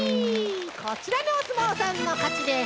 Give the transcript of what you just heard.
こちらのおすもうさんのかちです！